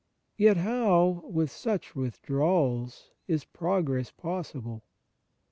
Yet how, without such withdrawals, is progress possible?